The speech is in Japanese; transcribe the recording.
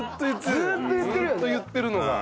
ずーっと言ってるのが。